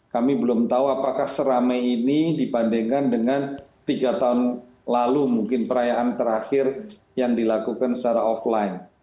kami belum tahu apakah seramai ini dibandingkan dengan tiga tahun lalu mungkin perayaan terakhir yang dilakukan secara offline